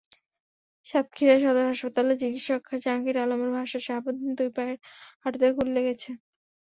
সাতক্ষীরা সদর হাসপাতালের চিকিত্সক জাহাঙ্গীর আলমের ভাষ্য, শাহাবুদ্দিনের দুই পায়ের হাঁটুতে গুলি লেগেছে।